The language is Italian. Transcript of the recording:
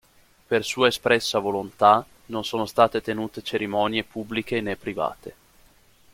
Per sua espressa volontà non sono state tenute cerimonie pubbliche né private.